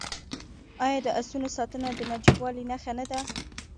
آیا د اسونو ساتنه د نجیبوالي نښه نه ده؟